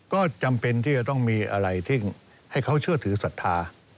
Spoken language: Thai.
ก็จำเป็นที่จะต้องมีอะไรที่ให้เขาเชื่อถือศรัทธา